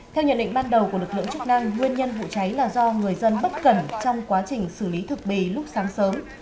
theo nhận định ban đầu của lực lượng chức năng nguyên nhân vụ cháy là do người dân bất cẩn trong quá trình xử lý thực bì lúc sáng sớm